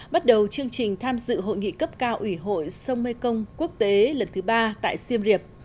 bắt đầu chương trình tham dự hội nghị cấp cao ủy hội sông mê công quốc tế lần thứ ba tại xiêm riệp